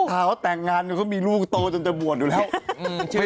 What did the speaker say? ข่าวว่าแต่งงานเขามีลูกโตจนจะบวชอยู่แล้ว